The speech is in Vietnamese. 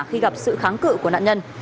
khi gặp sự kháng cự của nạn nhân